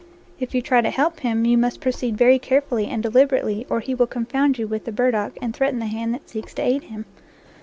If you try to help him, you must proceed very carefully and deliberately or he will confound you with the bur dock and threaten the hand that seeks to aid him.